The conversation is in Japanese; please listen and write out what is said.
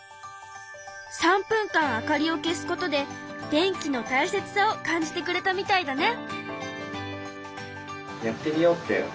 ３分間明かりを消すことで電気のたいせつさを感じてくれたみたいだね。